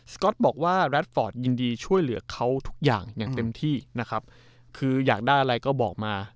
ก๊อตบอกว่าแรดฟอร์ดยินดีช่วยเหลือเขาทุกอย่างอย่างเต็มที่นะครับคืออยากได้อะไรก็บอกมา